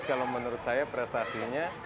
kalau menurut saya prestasinya